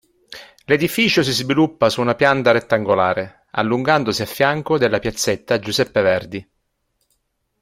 L'edificio si sviluppa su una pianta rettangolare, allungandosi a fianco della piazzetta Giuseppe Verdi.